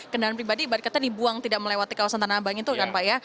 kendaraan pribadi ibaratnya dibuang tidak melewati kawasan tanah abang itu kan pak ya